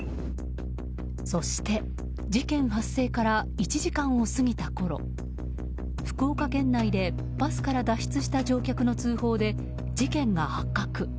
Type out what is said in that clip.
そして、事件発生から１時間を過ぎたころ福岡県内でバスから脱出した乗客の通報で、事件が発覚。